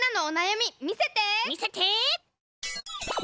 みせて！